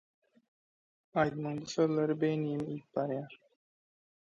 Aýdymyň bu sözleri beýnimi iýip barýar.